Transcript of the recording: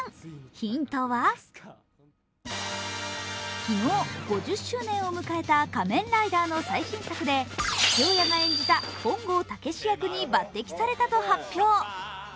ヒントは昨日、５０周年を迎えた「仮面ライダー」の最新作で父親が演じた本郷猛役に抜てきされたと発表。